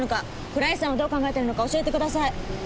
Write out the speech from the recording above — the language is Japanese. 倉石さんはどう考えてるのか教えてください。